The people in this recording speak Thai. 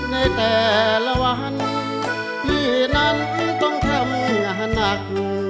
ในแต่ละวันพี่นั้นต้องทำงานหนัก